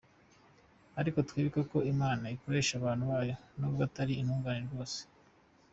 Ariko twibuke ko Imana ikoresha abantu bayo, nubwo atari intungane rwose.